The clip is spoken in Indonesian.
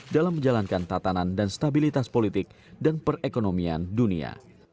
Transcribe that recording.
dalam menjalankan tatanan dan stabilitas politik dan perekonomian dunia